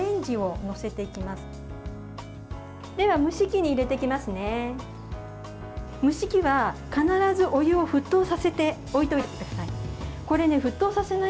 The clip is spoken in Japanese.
蒸し器は必ずお湯を沸騰させて置いておいてください。